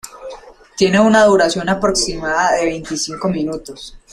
Tiene una duración aproximada de veinticinco minutos.